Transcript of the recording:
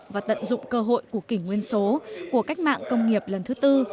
và tận dụng cơ hội của kỷ nguyên số của cách mạng công nghiệp lần thứ tư